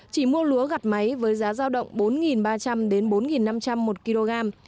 chỉ mua lúa gặt máy với giá giao động bốn ba trăm linh đến bốn năm trăm linh một kg